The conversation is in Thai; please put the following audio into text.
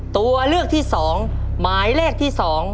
ตัวเลือกที่๒หมายเลขที่๒